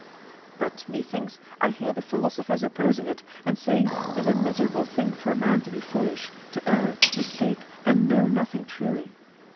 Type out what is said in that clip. But methinks I hear the philosophers opposing it and saying 'tis a miserable thing for a man to be foolish, to err, mistake, and know nothing truly.